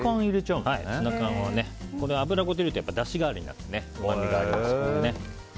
ツナ缶は、油ごと入れるとだし代わりになってうまみがありますのでね。